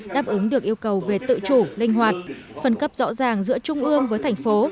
đáp ứng được yêu cầu về tự chủ linh hoạt phân cấp rõ ràng giữa trung ương với thành phố